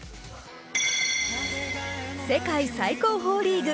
世界最高峰リーグ